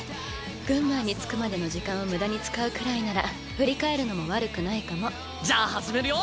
グンマーに着くまでの時間を無駄に使うくらいなら振り返るのも悪くないかもじゃあ始めるよ。